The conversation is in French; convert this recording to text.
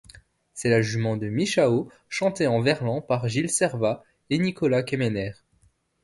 C’est La Jument de Michao chantée en verlan par Gilles Servat et Nicolas Quémener.